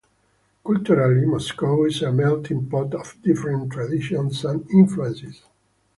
Culturally, Moscow is a melting pot of different traditions and influences.